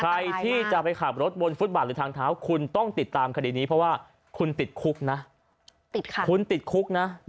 ใครที่จะไปขับรถบนฟุตบาทหรือทางเท้าคุณต้องติดตามคดีนี้เพราะว่าคุณติดคุกนะคุณติดคุกนะ